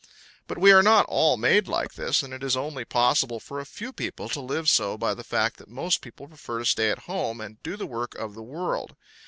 But we are not all made like this, and it is only possible for a few people to live so by the fact that most people prefer to stay at home and do the work of the world.